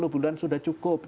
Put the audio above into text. sepuluh bulan sudah cukup